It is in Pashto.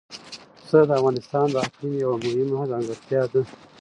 پسه د افغانستان د اقلیم یوه مهمه ځانګړتیا ده.